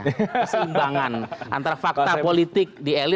keseimbangan antara fakta politik di elit